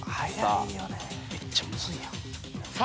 めっちゃむずいやん。